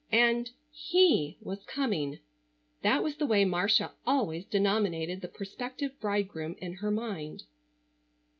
And he was coming! That was the way Marcia always denominated the prospective bridegroom in her mind.